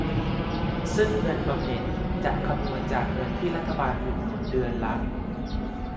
ซึ่งเงินบำเหน็จจะคำนวณจากเงินที่รัฐบาลอุดหนุนเดือนละ